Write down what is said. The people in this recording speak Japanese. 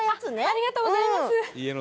ありがとうございます。